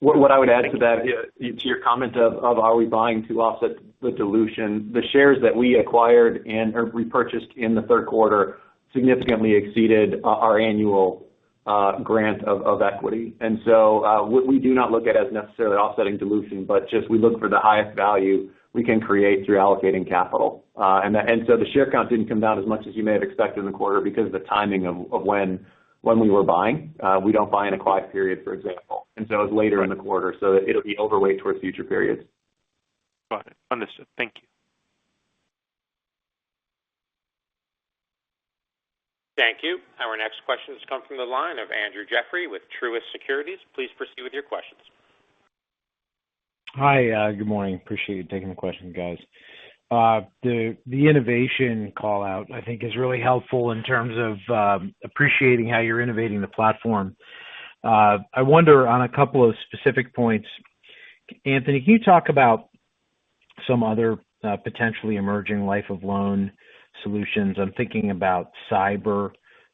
What I would add to that, to your comment of are we buying to offset the dilution. The shares that we acquired or repurchased in the third quarter significantly exceeded our annual grant of equity. We do not look at it as necessarily offsetting dilution, but just we look for the highest value we can create through allocating capital. The share count didn't come down as much as you may have expected in the 1/4 because of the timing of when we were buying. We don't buy in a quiet period, for example. It was later in the 1/4, so it'll be overweight towards future periods. Got it. Understood. Thank you. Thank you. Our next question comes from the line of Andrew Jeffrey with Truist Securities. Please proceed with your questions. Hi, good morning. Appreciate you taking the question, guys. The innovation call-out, I think is really helpful in terms of appreciating how you're innovating the platform. I wonder on a couple of specific points. Anthony, can you talk about some other potentially emerging life of loan solutions? I'm thinking about cyber,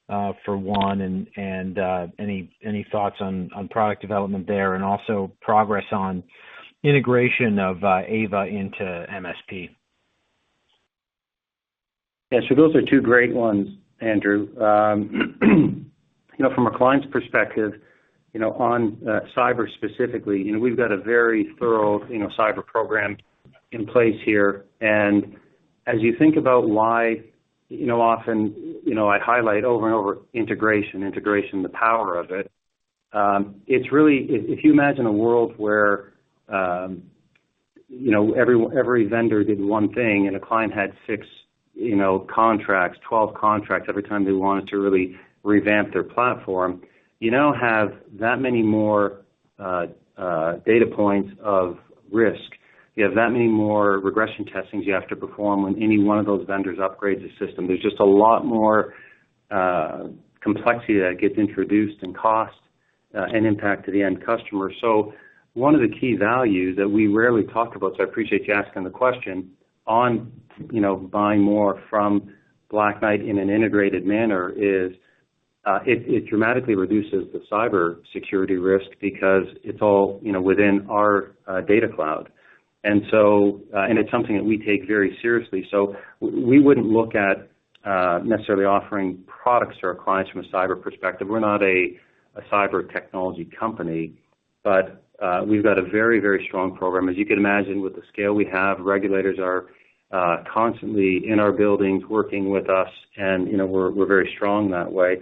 for one and any thoughts on product development there, and also progress on integration of AIVA into MSP. Yeah. Those are 2 great ones, Andrew. From a client's perspective, on cyber specifically, we've got a very thorough cyber program in place here. As you think about why, often I highlight over and over integration, the power of it. It's really if you imagine a world where every vendor did one thing and a client had 6 contracts, 12 contracts every time they wanted to really revamp their platform, you now have that many more data points of risk. You have that many more regression testings you have to perform when any one of those vendors upgrades the system. There's just a lot more complexity that gets introduced, and cost, and impact to the end customer. One of the key values that we rarely talk about, I appreciate you asking the question on, you know, buying more from Black Knight in an integrated manner is it dramatically reduces the cybersecurity risk because it's all, you know, within our data cloud. It's something that we take very seriously. We wouldn't look at necessarily offering products to our clients from a cyber perspective. We're not a cyber technology company, but we've got a very, very strong program. As you can imagine, with the scale we have, regulators are constantly in our buildings working with us, and, you know, we're very strong that way.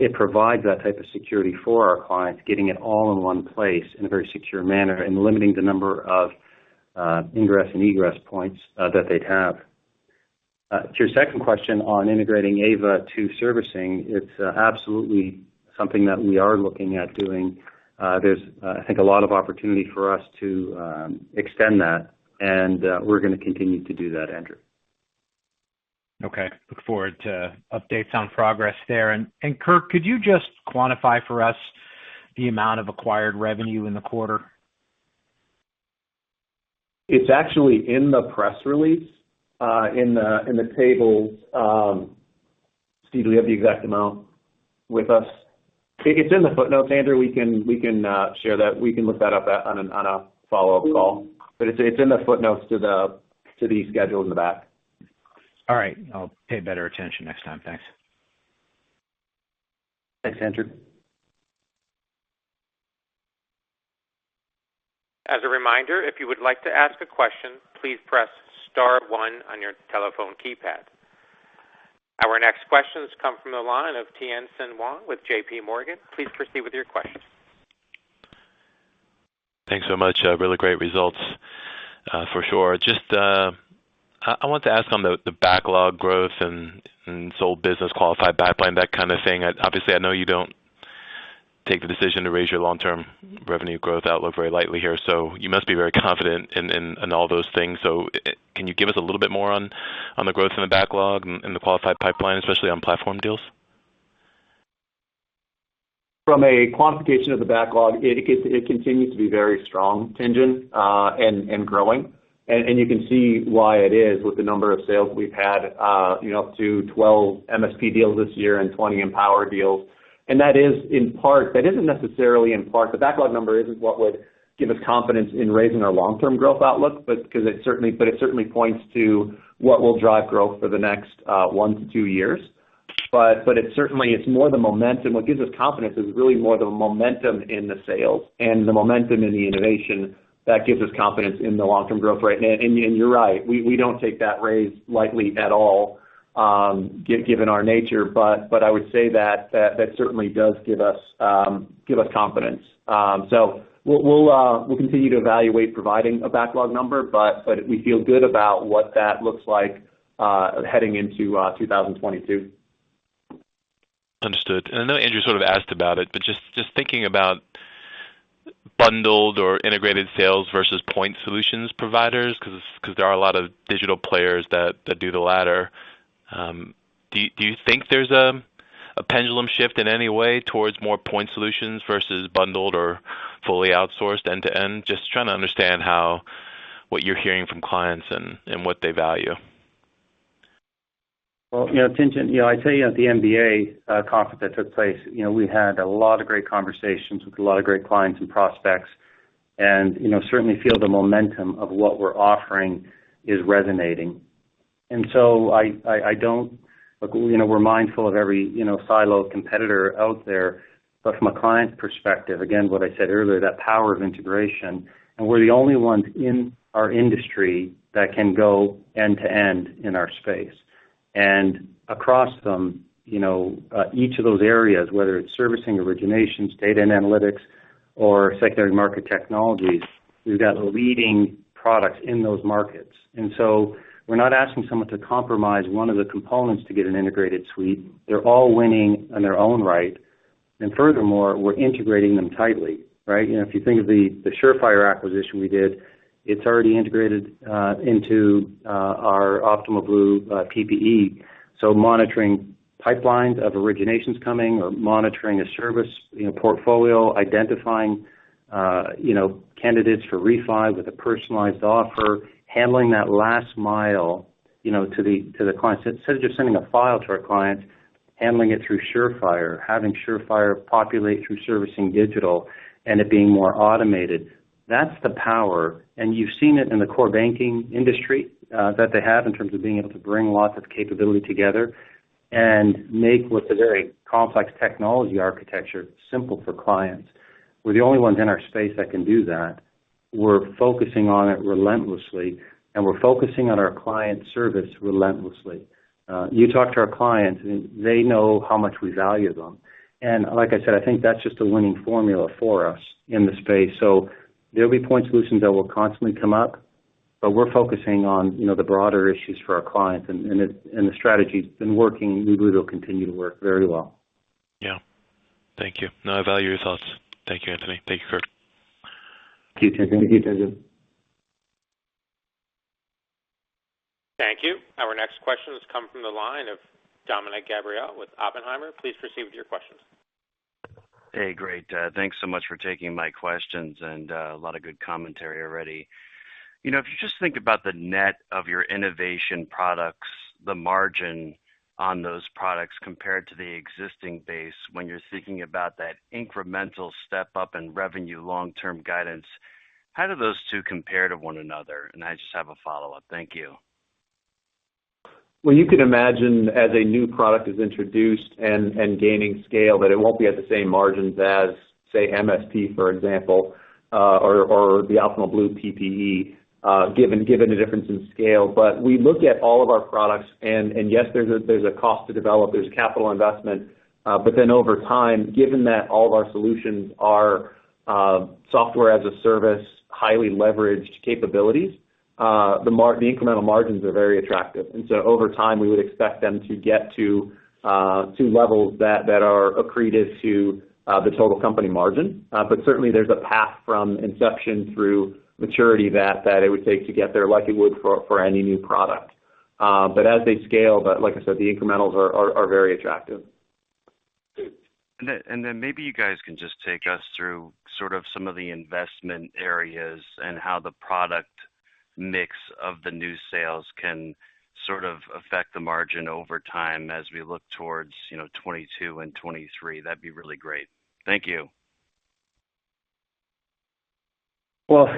It provides that type of security for our clients, getting it all in one place in a very secure manner and limiting the number of ingress and egress points that they'd have. To your second question on integrating AIVA to servicing, it's absolutely something that we are looking at doing. There's, I think, a lot of opportunity for us to extend that, and we're gonna continue to do that, Andrew. Okay. Look forward to updates on progress there. Kirk, could you just quantify for us the amount of acquired revenue in the 1/4? It's actually in the press release, in the tables. Steve, do we have the exact amount with us? It's in the footnotes, Andrew. We can share that. We can look that up on a Follow-Up call. It's in the footnotes to the schedule in the back. All right. I'll pay better attention next time. Thanks. Thanks, Andrew. As a reminder, if you would like to ask a question, please press star one on your telephone keypad. Our next question comes from the line of Tien-tsin Huang with JP Morgan. Please proceed with your question. Thanks so much. Really great results, for sure. Just, I want to ask on the backlog growth and software business qualified pipeline, that kind of thing. Obviously, I know you don't take the decision to raise your long-term revenue growth outlook very lightly here, so you must be very confident in all those things. Can you give us a little bit more on the growth in the backlog and the qualified pipeline, especially on platform deals? From a quantification of the backlog, it continues to be very strong, Tien-tsin, and growing. You can see why it is with the number of sales we've had, you know, up to 12 MSP deals this year and 20 Empower deals. That isn't necessarily in part. The backlog number isn't what would give us confidence in raising our long-term growth outlook, but 'cause it certainly points to what will drive growth for the next 1-2 years. It certainly is more the momentum. What gives us confidence is really more the momentum in the sales and the momentum in the innovation that gives us confidence in the long-term growth rate. You're right. We don't take that raise lightly at all, given our nature. I would say that certainly does give us confidence. So we'll continue to evaluate providing a backlog number, but we feel good about what that looks like heading into 2022. Understood. I know Andrew sort of asked about it, but just thinking about bundled or integrated sales versus point solutions providers, 'cause there are a lot of digital players that do the latter, do you think there's a pendulum shift in any way towards more point solutions versus bundled or fully outsourced end-to-end? Just trying to understand how what you're hearing from clients and what they value. Well, you know, Tien-tsin, you know, I tell you at the MBA conference that took place, you know, we had a lot of great conversations with a lot of great clients and prospects and, you know, certainly feel the momentum of what we're offering is resonating. I don't, look, you know, we're mindful of every, you know, siloed competitor out there. From a client perspective, again, what I said earlier, that power of integration, and we're the only ones in our industry that can go end-to-end in our space. Across them, you know, each of those areas, whether it's servicing, originations, data and analytics or secondary market technologies. We've got leading products in those markets. We're not asking someone to compromise one of the components to get an integrated suite. They're all winning in their own right. Furthermore, we're integrating them tightly, right? You know, if you think of the Surefire acquisition we did, it's already integrated into our Optimal Blue PPE. So monitoring pipelines of originations coming or monitoring a servicing, you know, portfolio, identifying you know candidates for refi with a personalized offer, handling that last mile, you know, to the client. Instead of just sending a file to our clients, handling it through Surefire, having Surefire populate through Servicing Digital and it being more automated. That's the power. You've seen it in the core banking industry that they have in terms of being able to bring lots of capability together and make what's a very complex technology architecture simple for clients. We're the only ones in our space that can do that. We're focusing on it relentlessly, and we're focusing on our client service relentlessly. You talk to our clients and they know how much we value them. Like I said, I think that's just a winning formula for us in the space. There'll be point solutions that will constantly come up. We're focusing on, you know, the broader issues for our clients and the strategy's been working. We believe it'll continue to work very well. Yeah. Thank you. No, I value your thoughts. Thank you, Anthony. Thank you, Kirk. Thank you, Tien-tsin. Thank you, Tien-tsin. Thank you. Our next question has come from the line of Dominick Gabriele with Oppenheimer. Please proceed with your questions. Hey, great. Thanks so much for taking my questions and, a lot of good commentary already. You know, if you just think about the net of your innovation products, the margin on those products compared to the existing base when you're thinking about that incremental step up in revenue long-term guidance, how do those 2 compare to one another? I just have a Follow-Up. Thank you. Well, you can imagine as a new product is introduced and gaining scale that it won't be at the same margins as, say, MSP, for example, or the Optimal Blue PPE, given the difference in scale. We look at all of our products and yes, there's a cost to develop, there's capital investment. Then over time, given that all of our solutions are software as a service, highly leveraged capabilities, the incremental margins are very attractive. Over time, we would expect them to get to levels that are accretive to the total company margin. Certainly there's a path from inception through maturity that it would take to get there like it would for any new product. As they scale, like I said, the incrementals are very attractive. Maybe you guys can just take us through sort of some of the investment areas and how the product mix of the new sales can sort of affect the margin over time as we look towards, you know, 2022 and 2023. That'd be really great. Thank you.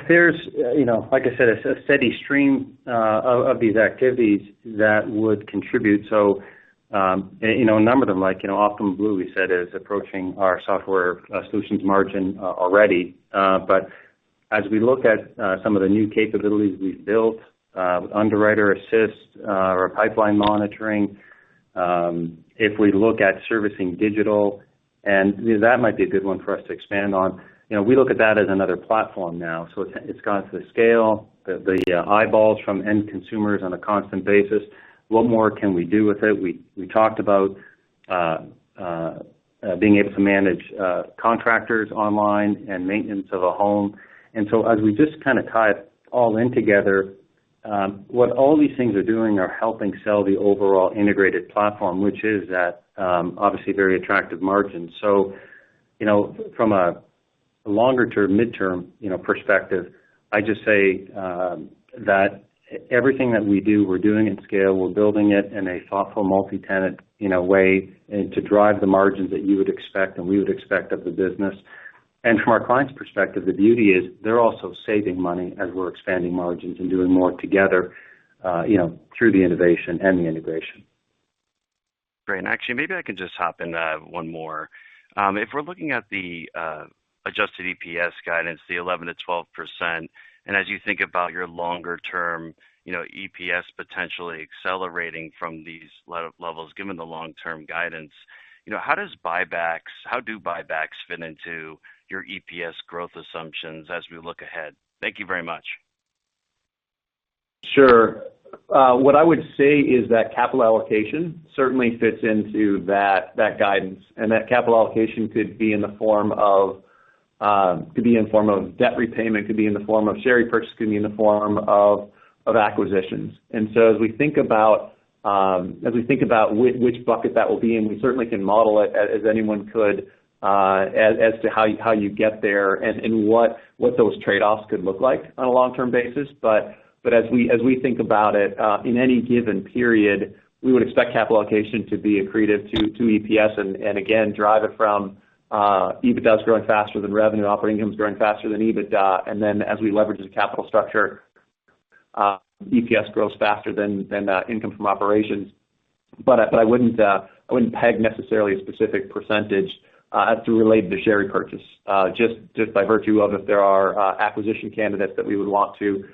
There's, you know, like I said, a steady stream of these activities that would contribute. You know, a number of them, like, you know, Optimal Blue we said is approaching our software solutions margin already. As we look at some of the new capabilities we've built with Underwriter Assist or pipeline monitoring, if we look at Servicing Digital, and that might be a good one for us to expand on. You know, we look at that as another platform now. It's got the scale, the eyeballs from end consumers on a constant basis. What more can we do with it? We talked about being able to manage contractors online and maintenance of a home. As we just kinda tie it all in together, what all these things are doing are helping sell the overall integrated platform, which is at, obviously very attractive margins. You know, from a longer-term, midterm, you know, perspective, I just say, that everything that we do, we're doing at scale. We're building it in a thoughtful multi-tenant, you know, way and to drive the margins that you would expect and we would expect of the business. From our clients' perspective, the beauty is they're also saving money as we're expanding margins and doing more together, you know, through the innovation and the integration. Great. Actually, maybe I can just hop in one more. If we're looking at the adjusted EPS guidance, the 11%-12%, and as you think about your longer term, you know, EPS potentially accelerating from these levels, given the long-term guidance, you know, how do buybacks fit into your EPS growth assumptions as we look ahead? Thank you very much. Sure. What I would say is that capital allocation certainly fits into that guidance. That capital allocation could be in the form of debt repayment, could be in the form of share repurchase, could be in the form of acquisitions. We think about which bucket that will be in, we certainly can model it as anyone could, as to how you get there and what those trade-offs could look like on a long-term basis. As we think about it in any given period, we would expect capital allocation to be accretive to EPS, and again, drive it from EBITDA's growing faster than revenue, operating income's growing faster than EBITDA. As we leverage the capital structure, EPS grows faster than income from operations. I wouldn't peg necessarily a specific percentage to relate to share repurchase, just by virtue of if there are acquisition candidates that we would want to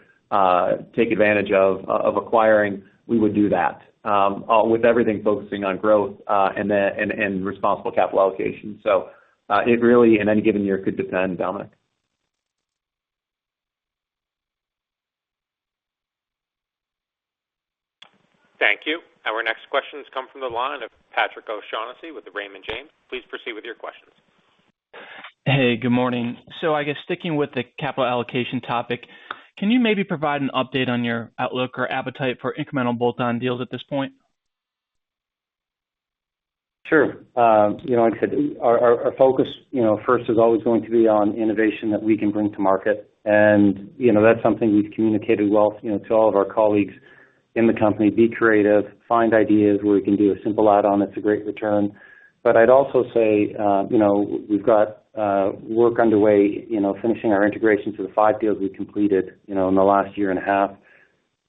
take advantage of acquiring, we would do that. With everything focusing on growth and responsible capital allocation. It really, in any given year, could depend, Dominic. Thank you. Our next question comes from the line of Patrick O'Shaughnessy with the Raymond James. Please proceed with your questions. Hey, good morning. I guess sticking with the capital allocation topic, can you maybe provide an update on your outlook or appetite for incremental bolt-on deals at this point? Sure. You know, like I said, our focus, you know, first is always going to be on innovation that we can bring to market. You know, that's something we've communicated well, you know, to all of our colleagues in the company, be creative, find ideas where we can do a simple add-on that's a great return. I'd also say, you know, we've got work underway, you know, finishing our integration to the 5 deals we completed, you know, in the last year and a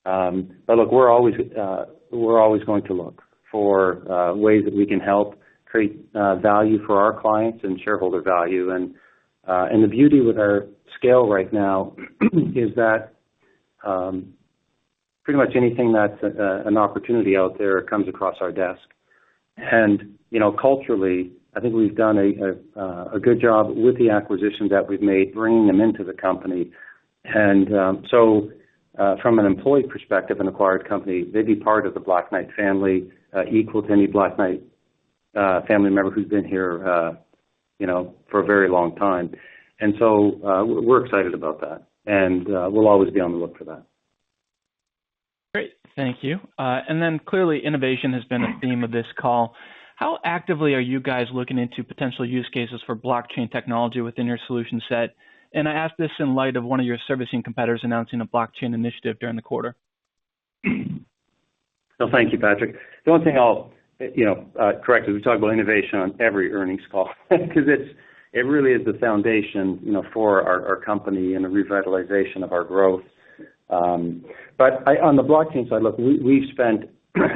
1/2. Look, we're always going to look for ways that we can help create value for our clients and shareholder value. The beauty with our scale right now is that pretty much anything that's an opportunity out there comes across our desk. You know, culturally, I think we've done a good job with the acquisitions that we've made, bringing them into the company. From an employee perspective, an acquired company, they'd be part of the Black Knight family, equal to any Black Knight family member who's been here, you know, for a very long time. We're excited about that, and we'll always be on the lookout for that. Great. Thank you. Clearly, innovation has been a theme of this call. How actively are you guys looking into potential use cases for blockchain technology within your solution set? I ask this in light of one of your servicing competitors announcing a blockchain initiative during the 1/4. Well, thank you, Patrick. The one thing I'll, you know, correct as we talk about innovation on every earnings call, 'cause it really is the foundation, you know, for our company and the revitalization of our growth. On the blockchain side, look, we've spent,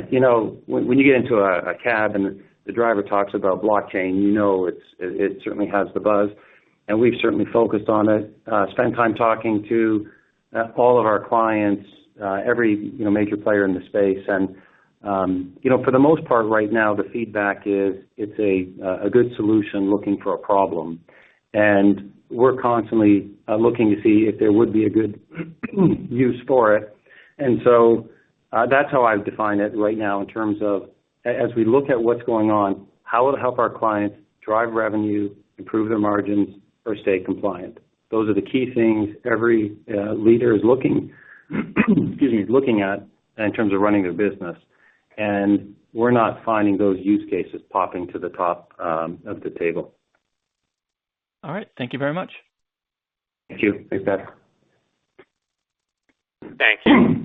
you know, when you get into a cab and the driver talks about blockchain, you know, it certainly has the buzz, and we've certainly focused on it, spent time talking to all of our clients, every, you know, major player in the space. You know, for the most part right now the feedback is, it's a good solution looking for a problem. We're constantly looking to see if there would be a good use for it. That's how I've defined it right now in terms of as we look at what's going on, how it'll help our clients drive revenue, improve their margins or stay compliant. Those are the key things every leader is looking at in terms of running their business. We're not finding those use cases popping to the top of the table. All right. Thank you very much. Thank you. Thank you.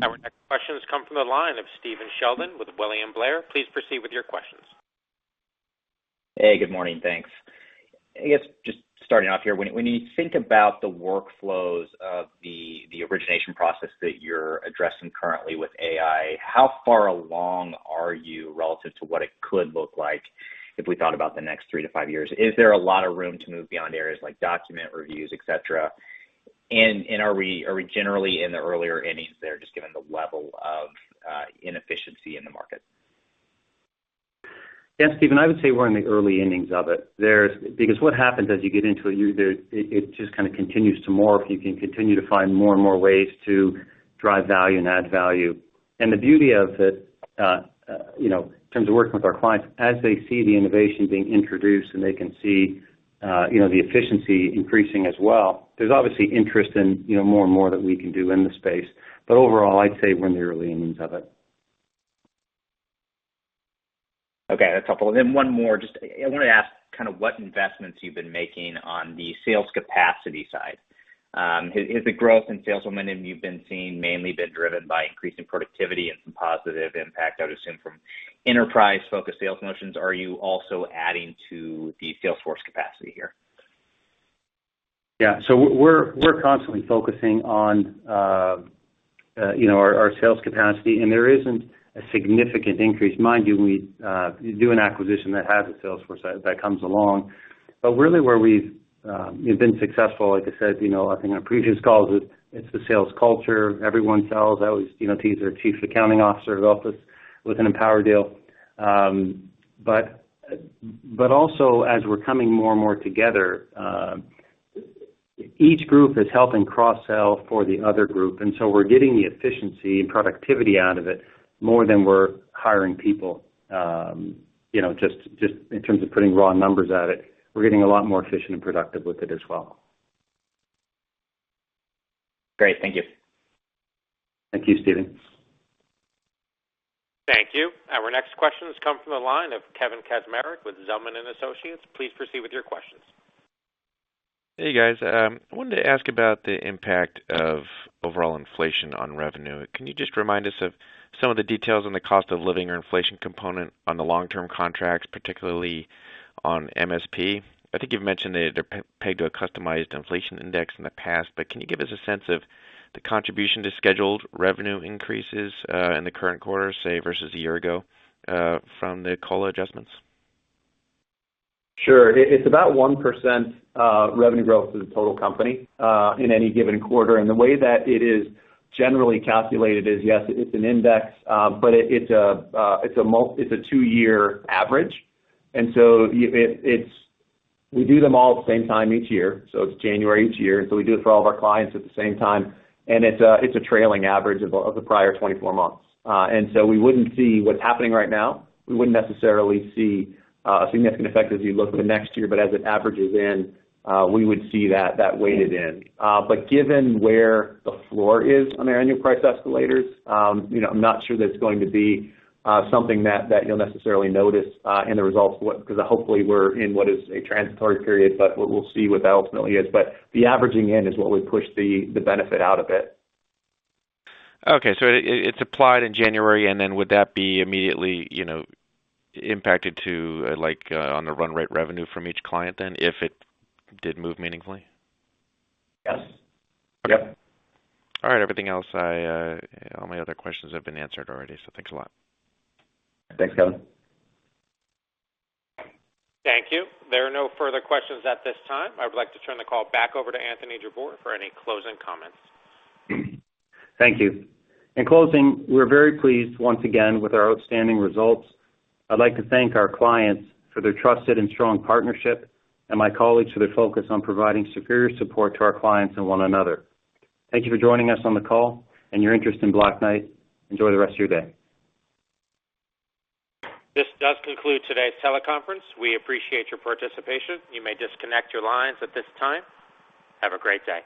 Our next question comes from the line of Stephen Sheldon with William Blair. Please proceed with your questions. Hey, good morning. Thanks. I guess just starting off here. When you think about the workflows of the origination process that you're addressing currently with AI, how far along are you relative to what it could look like if we thought about the next 3-5 years? Is there a lot of room to move beyond areas like document reviews, et cetera? Are we generally in the earlier innings there, just given the level of inefficiency in the market? Yeah, Steve, I would say we're in the early innings of it. Because what happens as you get into it just kind of continues to morph. You can continue to find more and more ways to drive value and add value. The beauty of it, you know, in terms of working with our clients, as they see the innovation being introduced and they can see, you know, the efficiency increasing as well, there's obviously interest in, you know, more and more that we can do in the space. Overall, I'd say we're in the early innings of it. Okay. Then one more. Just, I wanted to ask kind of what investments you've been making on the sales capacity side. Has the growth in sales momentum you've been seeing mainly been driven by increasing productivity and some positive impact, I would assume, from enterprise-focused sales motions? Are you also adding to the sales force capacity here? Yeah. We're constantly focusing on, you know, our sales capacity, and there isn't a significant increase. Mind you, we do an acquisition that has a sales force that comes along. Really where we've been successful, like I said, you know, I think on previous calls, it's the sales culture. Everyone sells. I always, you know, tease our Chief Accounting Officer in the office with an Empower deal. Also, as we're coming more and more together, each group is helping cross-sell for the other group, and we're getting the efficiency and productivity out of it more than we're hiring people. You know, just in terms of putting raw numbers at it. We're getting a lot more efficient and productive with it as well. Great. Thank you. Thank you, Steve. Thank you. Our next question comes from the line of Kevin Kaczmarek with Zelman & Associates. Please proceed with your questions. Hey, guys. I wanted to ask about the impact of overall inflation on revenue. Can you just remind us of some of the details on the cost of living or inflation component on the long-term contracts, particularly on MSP? I think you've mentioned that they're pegged to a customized inflation index in the past, but can you give us a sense of the contribution to scheduled revenue increases in the current 1/4, say versus a year ago, from the COLA adjustments? Sure. It's about 1% revenue growth for the total company in any given 1/4. The way that it is generally calculated is, yes, it's an index, but it's a 2-year average. We do them all at the same time each year, so it's January each year. We do it for all of our clients at the same time. It's a trailing average of the prior 24 months. We wouldn't see what's happening right now. We wouldn't necessarily see a significant effect as you look to the next year. As it averages in, we would see that weighted in. Given where the floor is on our annual price escalators, you know, I'm not sure that it's going to be something that you'll necessarily notice in the results, because hopefully we're in what is a transitory period, but we'll see what that ultimately is. The averaging in is what would push the benefit out of it. Okay. It's applied in January, and then would that be immediately, you know, impacted to like, on the run rate revenue from each client then if it did move meaningfully? Yes. Yep. All right. Everything else, all my other questions have been answered already, so thanks a lot. Thanks, Kevin. Thank you. There are no further questions at this time. I would like to turn the call back over to Anthony Jabbour for any closing comments. Thank you. In closing, we're very pleased once again with our outstanding results. I'd like to thank our clients for their trusted and strong partnership and my colleagues for their focus on providing superior support to our clients and one another. Thank you for joining us on the call and your interest in Black Knight. Enjoy the rest of your day. This does conclude today's teleconference. We appreciate your participation. You may disconnect your lines at this time. Have a great day.